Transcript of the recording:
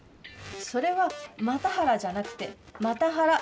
それは又原じゃなくてマタハラ。